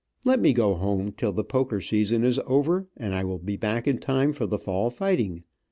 Let me go home till the poker season is over, and I will be back in time for the fall fighting.